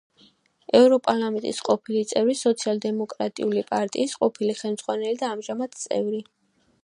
ევროპარლამენტის ყოფილი წევრი, სოციალ-დემოკრატიული პარტიის ყოფილი ხელმძღვანელი და ამჟამად წევრი.